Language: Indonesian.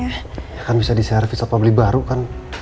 ya kan bisa di share visiopubli baru kan